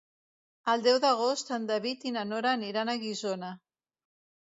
El deu d'agost en David i na Nora aniran a Guissona.